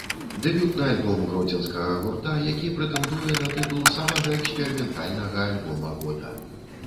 Дэбютны альбом гродзенскага гурта, які прэтэндуе на тытул самага эксперыментальнага альбома года.